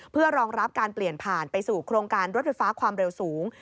เพื่อรองรับการเปลี่ยนผ่านไปสู่โครงการรถไฟฟ้าความเร็วสูง